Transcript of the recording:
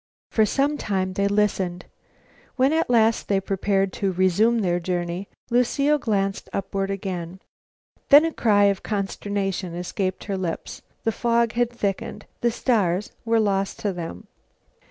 For some time they listened. When at last they prepared to resume their journey, Lucile glanced upward again. Then a cry of consternation escaped her lips; the fog had thickened; the stars were lost to them.